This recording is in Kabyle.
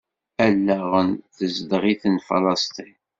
Allaɣen tezdeɣ-iten Falesṭin.